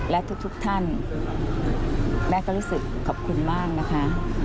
และทุกท่านแม่ก็รู้สึกขอบคุณมากนะคะ